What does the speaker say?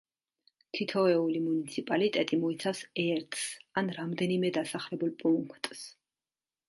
თითოეული მუნიციპალიტეტი მოიცავს ერთს ან რამდენიმე დასახლებულ პუნქტს.